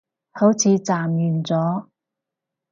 好似暫完咗